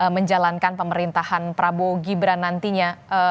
menjalankan pemerintahan prabowo gibran nantinya